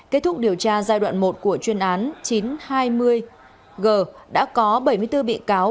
kết thúc điều tra giai đoạn một của chuyên án chín trăm hai mươi g đã có bảy mươi bốn bị cáo